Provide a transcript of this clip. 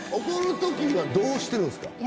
怒るときは、どうしてるんですか？